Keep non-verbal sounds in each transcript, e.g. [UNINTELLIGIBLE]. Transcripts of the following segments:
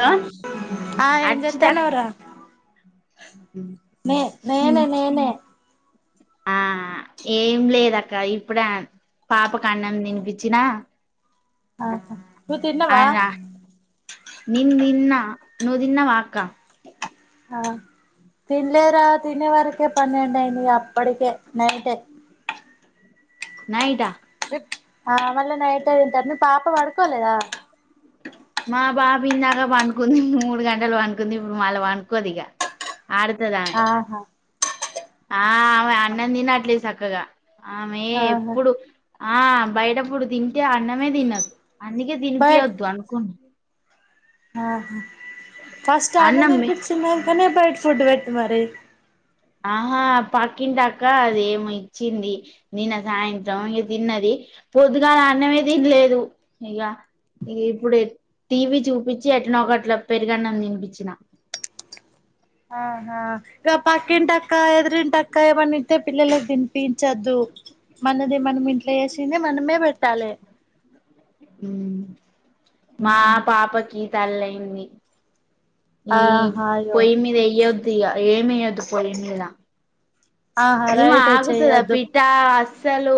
Hello ఆ ఎం అర్చిత చెత్తానవ్ రా నే నేనే నేనే ఆ ఏం లేద అక్క ఇప్పుడ పాప కఅన్నం తినిపిచినా ఆ ఆహా నువ్వు తిన్నవా అన నిన్ దిన్న నువ్ దిన్నవా అక్క ఆ తిన్లేదు రా తినే వరకే పన్నెండు అయింది ఇగ అప్ పడుకే నైటే నైటా ఆ మళ్ళా నైటే తింటారు మీ పాప పడుకోలేదా మా బాబు ఇందాక పండుకుంది మూడు గంటలు పండుకుంది ఇప్పుడు మళ్ళ పండుకోదిగా అడుతదామే ఆహా ఆ ఆమె అన్నం తినట్లే సక్కగా ఆమె ఆహా ఎప్పుడు ఆ బయట పుడ్ దిం టే అన్నమే దినద్ అందుకే బయట్ తినిపియ్యొద్దు అనుకుం ఆహా ఫస్ట్ అన అన్నం మె నిర్ప చిన్న కానీ బయట ఫుడ్ పెట్టి మరి ఆహా పక్కింట అక్క అది ఏమి ఇచ్చింది నిన్న సాయంత్రం ఇక తిన్నది పొద్దుగలా అన్నమే తినలేదు ఇక ఇ ఇప్పుడు టీవీ చూపించి ఎట్నే ఒకట్లా పెరుగన్నం తినిపచ్చిన ఆహా ఇక పక్కింటక్క ఎదిరింటక్క ఏమనితే పిల్లలకి తినిపించద్దు మనది మనం ఇంట్లో వసి మనమే పెట్టాలి మా పాపకి తల్లియింది ఈ ఆహా అయ్యో పోయి మీద వెయ్య అ ఏమియదు పోయి మీద ఆహా నిమా రైటే ఆగుతుదా చెయ్యొద్దు పిఠా అసలు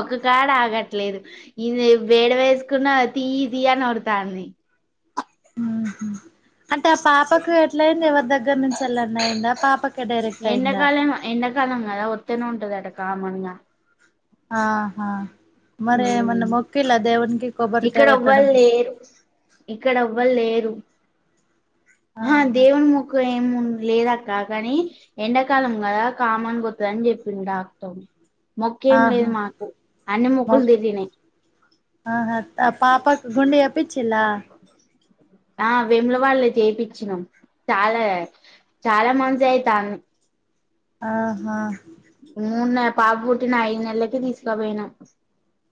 ఒక కాడ ఆగట్లేదు ఇది వేడ వేసుకున్న తీ తీయనిడతాని ఆ అంటే ఆ పాపకు ఎట్లయింది ఎవ దగ్గర నుంచి వెళ్ళ అన్నాయయింద పాప ఎంతకాలం ఎన్న కాలంగాదా ఒత్తనే ఉంటదాట కామన్గా ఆహా మరి మన ఉమ్ మొక్కిలా దేవున్కి కొబ్బరికాయ ఇక్కడ కొట్టడం అవ్వలేరు ఆ ఆహా దేవుని ముఖ ఏ లేదక్క కానీ ఎండాకాలం కదా కామన్ కొతుందని చెప్పింది డాక్టో ఆహా మొక్కులు తిరిగినాయి ఆహా పాప గుడి పిచ్చలా ఆ వెముల వాళ్ళే చేపిచినం చాలే చాలా మంత్స్ అయి తాన్ని అ హా మున్నె పాప పుట్టిన ఐదు నెల్లకే తీసుకుపోయిన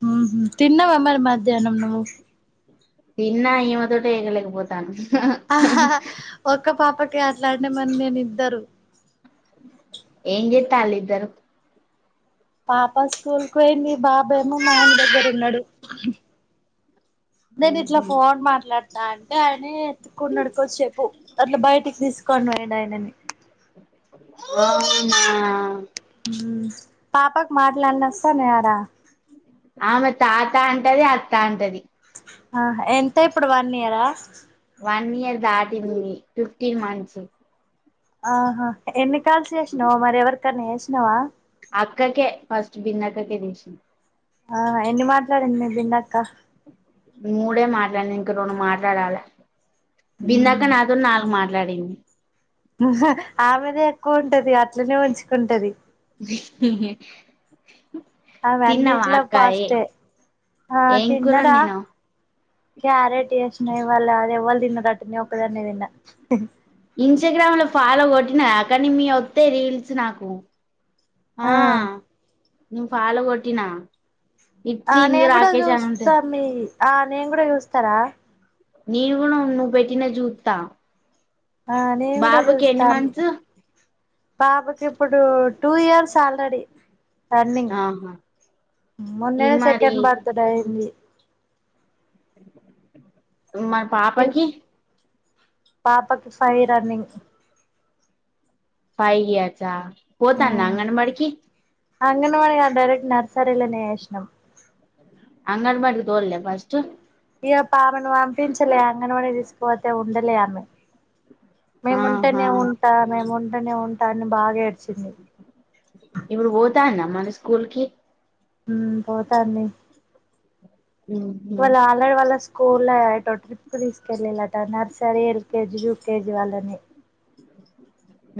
హ్మ్ హు తిన్నావా మరి మధ్యానం నువ్వు తిన్న ఈమె తోటే ఎగలేక పోతాన ఒక్క పాపకే అట్లన్ అంటే మరి మేం ఇద్దరు ఎంజేతలు ఇద్దరు పాప స్కూల్కు పోయింది బాబు ఏమో మా ఆయన దగ్గర ఉన్నాడు నేను ఇట్ల ఉహు ఫోన్ మాట్లాడ్ త అంటే అయనే కున్నడుకొచ్చేపు అట్లా బయటికి [UNINTELLIGIBLE] తీసుకోన్ పోయిండు ఆయననే ఓ అవున హ్మ్ పాపకు మాట్లన్ని వస్తానైకాద ఆ మరీ తాత అంటది అత్త అంటది ఆహ్ ఎంత ఇప్పుడు వన్ ఇయరా. వన్ ఇయర్ దాటింది ఫిఫ్టీన్ మంత్స్. ఆహా ఎన్ని. కాల్స్ చేసిన్నవా మరి ఎవరికన్న చేస్. ఆహ్. అక్కకే ఫస్ట్ బిన్న అక్కకే తీసింది. అహా ఎన్ని మాట్. మట్లాడిన బిన్నాక్క. మూడే మాట్లాడింది ఇంక రెండు మాట్లాడాలే. బిందక్క నాతోనీ నాలుగు మాట్ ట్లాడింది. ఆమెదే ఎక్కువ ఉంటది అట్లనే ఉంచుకుంటది. [INAUDIBLE] ఆమె తిన్నావా అన్నిట్లో అక్క ఏ పాస్టే ఆహ్ ఏం కూర తిన్నరా. వండినవ్ క్యారెట్ చేసిన ఇవాళ అది ఎవ్వరు తిన్నరట్టా నేను ఒకదానే తిన్న. ఇన్స్టాగ్రామ్ లో ఫాలో కొట్టిన అక్కని మీ వత్తయి రీల్స్ నాకు ఆ ఆహ్. నువ్వు ఫాలో కొట్టిన. ఆహ్ నేను గుడా చూస్త మీవి. ఆహ్ నేను కూడా చూస్తరా. నేను గుడ నువ్వు పెట్టినవి జూత్త. ఆహ్ నేను గూడ జస్త మీ పాపకు చెప్. ఇప్పుడు టూ ఇయర్స్ ఆల్రెడీ. రన్నింగ్ ఆహా మొన్నే ఈ మరి సెకండ్ బర్త్డే అయింది మరి పాపకి. పాపాకి ఫైవ్ రన్నింగ్. ఫైవ్ ఇయర్స్ పోతాండ బడికి. అంగన్ వాడి కాదు డైరెక్ట్ నర్సరీలనే వేశినం. అంగన్వాడికి తోల్లే ఫస్ట్. ఇక పాపను ఆమెను పంపించలే అంగనవాడి తీసుకపోతే ఉండలే ఆమె. మేము ఆహా ఉంటేనే ఉంటా మేము నేను ఉంటాని బాగా ఏడ్చింది. స్కూల్కి. ఉమ్ పోతాండే. ఉమ్ ఉమ్. స్కూల్ లో ఏదో ట్రిప్ కీ తీసుకెళ్ళలాట నర్సరీ ఎల్కేజీ యూకేజీ వాళ్ళని. హ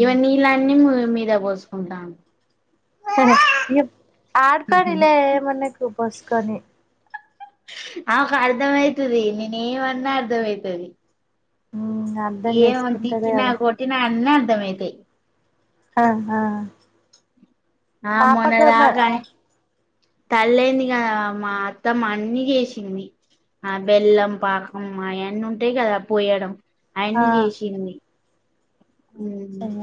ఇగో నీలన్ని మీద పోసుకుంటాండు ఇ ఆడుకుని లే ఏమనకు పోసుకొనియి ఆమెకు అర్ధం అయితది నేనేమన్నా అర్ధమవుతది అర్ధం ఏం చేసుకుంటారు తిట్టిన కదా కొటినా అన్ని అర్ధమయితయి ఆ ఆ ఆ పాపకు మ మొన్నటిదాకా తల్లి అయ్యింది కదా మా అత్తమ్మ అన్ని చేసింది ఆ బెల్లం పాకం అయన్నీ ఉంటయి కదా పోయడం అయన్ని చేసింది సర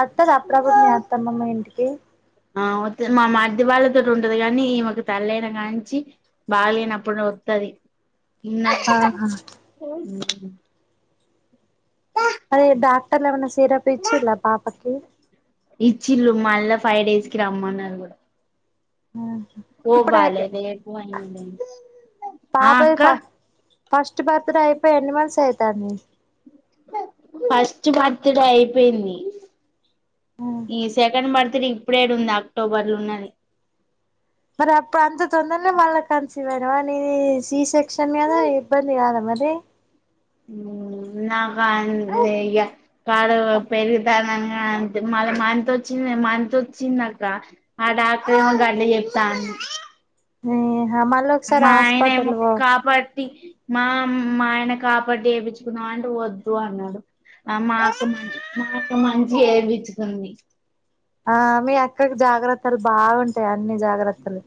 అత్తదా అప్పుడుప్పుడు మీ అత్తమ్మ మీ ఇంటికి కి ఆ వత్తది మా మర్ది వాళ్ళతోటి ఉంటది కానీ ఈమెకు తల్లయిన కాంచి బాగలేనప్పుడు వత్తది న ఆహా అదే డాక్టర్లేమన్న సిరప్ ఇచ్చిళ్ళా పాపకి ఇచ్చిల్ళు మళ్ళా ఫైవ్ డేస్ కి రమ్మన్నరు కూడా ఇప్పుడు ఆ పాప అక్క ఫస్ట్ బర్త్డే అయిపోయి ఎన్ని మంత్స్ అవుతుంది ఫస్ట్ బర్త్డే అయిపోయింది ఈ సెకండ్ బర్త్ ఇప్పుడేడ ఉంది అక్టోబర్ లో ఉన్నది మరి అప్పుడు అంత తొందరనే మళ్ళ కన్సీవ్ అయినవా నీది సి సెక్షన్ కదా ఇబ్బంది కాదా మరి నాకా కాడ పెరుగు అంతే మళ్ళీ మంత్ వచ్చింది మంత్ వచ్చింది అక్క ఆ డాక్టరేమో గట్ల చెప్తాండు ఇ అ మా ఆయన ఏమో కాపాట్టి మామ్ మా ఆయన కాపాట్టి చేయిచ్చుకున్నా అంటే వద్దు అన్నాడు మాక్క మ మాక్క మంచిగ ఏపిచ్చుకుంది ఆ మీ అక్కకు జాగ్రత్తలు బాగుంటయి ఇన్ని జాగ్రత్తలు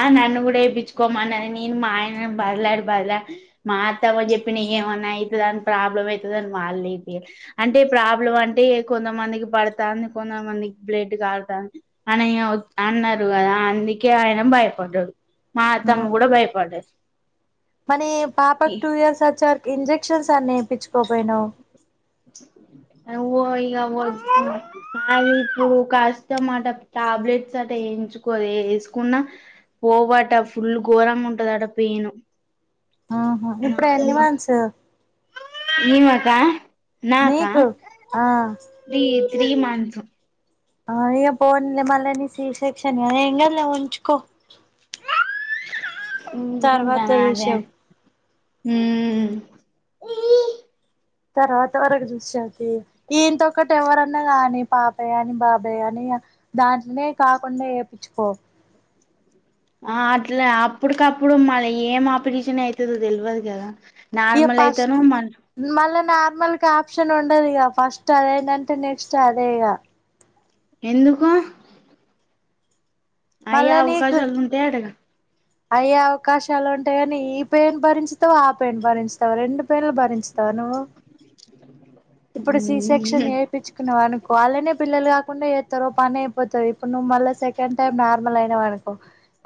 ఆ నన్ను కూడా ఎపిచుకోమన్నది నేను మా ఆయన బతిలాడి బతిలాడి మా అత్తమ్మకు చెప్పిన ఏమన్నా అవుతుంది ప్రాబ్లమ్ అవుతుందని వాళ్ళు ఏపీయలె అంటే ప్రాబ్లం అంటే కొంతమందికి పడతాంది కొంతమందికి బ్లడ్ కారుతాంది అని అన్నారు కదా అందుకే ఆయన భయపడ్డడు మా అత్తమ్మ కూడా భయపడ్డది మనీ పాపకూ టూ ఇయర్స్ వరకు ఇంజెక్ క్షన్స నేర్పించుకోపోయినవ్ అ ఓ ఇక అది ఇప్పుడు కష్టం అట టాబ్లెట్స్ అట వేయించుకోదు వేసుకున్నా పోవాట ఫుల్ ఘోరంగా ఉంటద అట పెయిన్ ఆహ ఇప్పుడు ఎన్ని మన్స్ ని మాకా నీకు ఆ త్రీ త్రీ మంతు అ ఇ పోంది మళ్ళని శీశిక్షని ఏం గాదులే ఇం ఉంచుకో ఉంచుకుంటా తర్వాత నా అదే చూసావు ఊ తర్వాత వరకు దృశతి ఈ ఇంతొక్కటి ఎవరన్నా కానీ పాపయ అని బాబాయ అని దాంట్లోనే కాకుండా ఏ పిచుకో ఆ అట్లా అప్పటికప్పుడు మళ్ళ ఏ ఆపిటిషన్ ఐతదో తెలియదు కదా ఇగ నార్మల్ ఫస్ట్ ఐతాను మ మళ్ళా నార్మల్ కప్షన్ ఉండదు ఇక ఫస్ట్ అదే ఏంటంటే నెక్స్ట్ అదే ఇగ ఎందుకు అయి మళ్ళా నీకు అవుకాశల్ ఉంటాయటగా అయ్యే అవకాశాలు ఉంటాయి కాని ఈ పెయిన్ భరించుతావు ఆ పెయిన్ భరించుతావు రెండు పెయిన్లు భరించుతవ నువ్వు ఇప్పుడు సి సెక్షన్ చేయించుకునేవ అనుకో అలానే పిల్లలు కాకుండా చేస్తారు పని అయిపోతది ఇపు ను మల సెక్ సెకన్ టైం నార్మల్ అయిన మనకో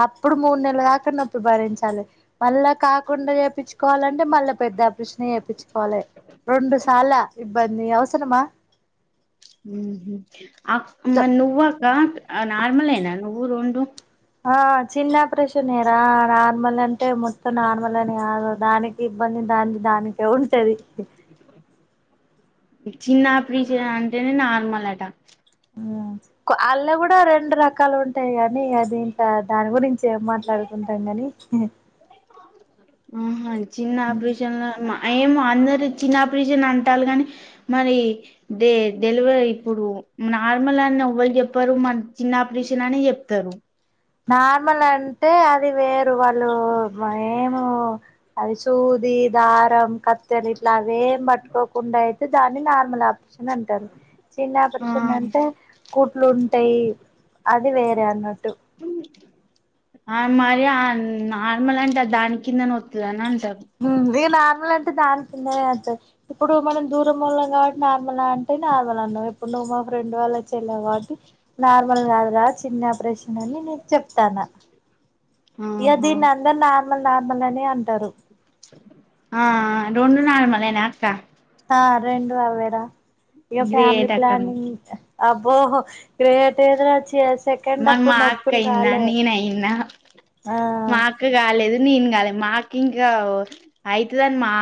అప్ ఇప్పుడు మూడు నెల దాకా నొప్ప భరించ్ చాలే మళ్ళా కాకుండా చేపిచ్ కోవాలంటే మళ్ళా పెద్ద అపరిషన్ చేపిచుకోవాలె రెండు సార్ల ఇబ్బంది అవసరమా ఆ మరీ నువ్వు అక్క ఆ నార్మల్ ఏ నా నువ్వు రొండు ఆ చిన్న ఆపరేషన్రా నార్మల్ అంటే మొత్తం నార్మల్ అని కాదు దానికి ఇబ్బంది దాన్ని దానికి ఉంటది చిన్న ప్ర్రిజ అంటేనే నార్మల్ట ఊ అళ్ళ కూడా రెండు రకాలు ఉంటాయి కాగాని అది ఇంకా దాని గురించి ఏం మాట్లాడుకుంటాం కానీ ఆహా ఇద్ ఆయితే చిన్న ఆపరేషన్ల మా ఏమో అందరు చిన్నపరేషన్ అంటారు గాని మరి డె డెలివరి ఇప్పుడు నార్మల్ అని ఎవ్వళ చెప్పారు మరి చిన్న ఆపరేషన్ అనే చెప్తారు నార్మల్ అంటే అది వేరు వాళ్ళు ఏమో అది సూది దారం కత్ తెరిట్ల అవే పట్టుకోకుండా అయితే దాన్ని నార్మల్ ఆపరేషన్ అంటారు చిన్న ఆ ఆపరేషన్ అంటే కూట్లు ఉంటాయి అది వేరే అన్నట్టు ఆ మరి ఆ నార్మల్ అంటే దాని కిందనే ఓతాడని అంటారు తబ్ నీ నార్మల్ అంటే దాని కిందనే అంతంది ఇప్పుడు మనం దూరం వాళ్లం కాబట్టి నార్మల్ అంటే నార్మల్ అన్నావు ఇప్పుడు నువ్వు మా ఫ్రెండ్ వాళ్ళు వచ్చలావు కాబట్టి నార్మల్ కాదు రా చిన్న ఆపరేషన్ అని నీకు చెప్తాన ఇగ ఆహా దీన్నందరు నార్మల్ నార్మల్ అనే అం తరు ఆ రెండు నార్మల్ ఏనా అక్క ఆ రెండు అవే రా ఇక ఫ్యామిలీ గ్రేట్ అక్క నువ్వు. ప్లనింగ్ అబ్బో గ్రేట్ ఏందిరా సెకండ్ మరి అప్పుడు మా అక్క నొప్పులు అయిందా రాలే నేనయ్యిన్నా మా అక్క కాలేదు నేను కాలే మాకు ఇంకా ఓ అయితది అని మా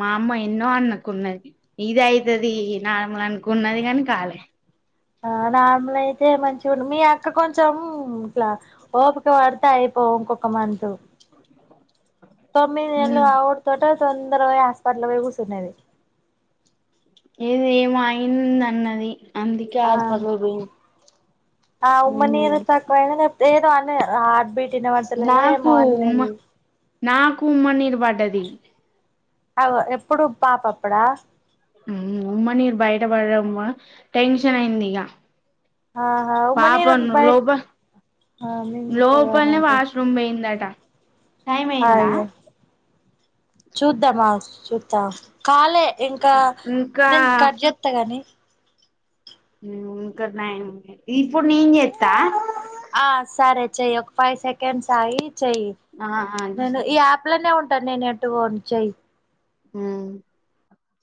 మా అమ్మ ఎన్నో అనుకున్నది ఇది అయితది నార్మల్ అనుకున్నది కాని కాలే ఆ నార్మల్ అయి తే మంచిగా ఉండు మీ అక్క కొంచం ఇట్ల ఓపిక పడితే అయి ఇంకొక మంతు తొమ్మిది నెల్లు ఉమ్ ఆ వోడి తోటే తొందరగా హాస్పిటల్ పోయి కుసున్నేది ఏది ఏమో అయింది అన్నది అందుకే ఆ హాస్పిటల్ పోయింది ఆ ఉమ్మనీరు ఉమ్ తక్కువ అయిందని వేదాన్నే హార్ట్ బీట్ వినబడతలేదా నాకు ఏమో ఉమ్మ అన్నది నాకు ఉమ్మ నీరు పడ్డది అయో ఎప్పుడు పపాప్పుడా మ్మ్ ఉమ్మనీరు బయటపడడం వల్ల టెన్షన్ అయిందిగా ఆహా ఉమ్మ నీరు పాపను బయట లోపల మింగుతది అని లోపలనే అంటారు వాష్రూమ్ పోయిందట టైం అయిందా చూద్దాం ఆగు చు కాలే ఇంకా ఇంకా నేను కట్ చేస్తాగాని ఇంకా నైన్ ఉన్నాయి ఇప్పుడు నేను చేస్తా ఆ సరే చెయ్యి ఒక ఫైవ్ సెకండ్స్ అగ్గి చెయ్యి ఆ ఆ నేను ఈ యాప్ లోనే ఉంటా ఇంటర్ నెట్టుగా వచ్చెయి హ